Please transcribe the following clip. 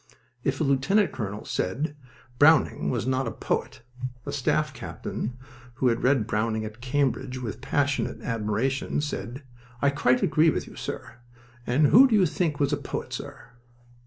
If a lieutenant colonel said, "Browning was not a poet," a staff captain, who had read Browning at Cambridge with passionate admiration, said: "I quite agree with you, sir. And who do you think was a poet, sir?"